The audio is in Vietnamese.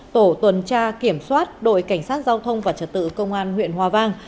tổ tuần tra kiểm soát đội cảnh sát giao thông và trật tự công an huyện hòa vang